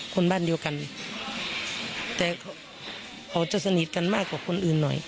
คนบ้านเดียวกันแต่เขาจะสนิทกันมากกว่าคนอื่นหน่อย